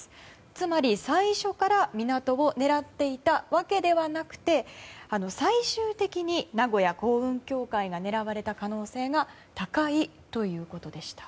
つまり、最初から港を狙っていたわけではなくて最終的に名古屋港運協会が狙われた可能性が高いということでした。